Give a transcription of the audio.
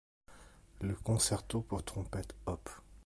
Le Concerto pour trompette op.